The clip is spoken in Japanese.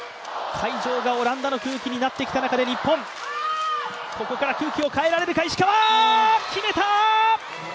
会場がオランダの空気になってきた中で日本、ここから空気を変えられるか、石川、決めたー！